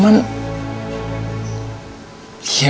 mama tau sendiri lah